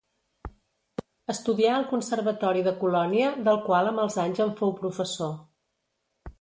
Estudià al Conservatori de Colònia del qual amb els anys en fou professor.